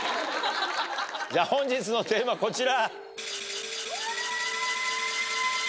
じゃ本日のテーマこちら。